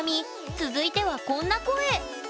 続いてはこんな声！